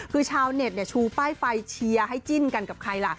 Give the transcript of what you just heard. คือชาวเน็ตชูป้ายไฟเชียร์ให้จิ้นกันกับใครล่ะ